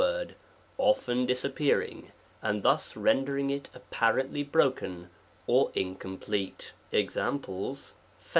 word often disappearing and thus rendering it apparently broken or incomplete :fy * examples ^